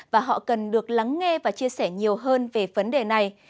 và họ cần được lắng nghe và chia sẻ nhiều hơn về vấn đề này